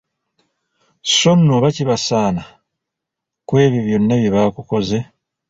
So nno oba kibasaana ku ebyo byonna bye bakukoze!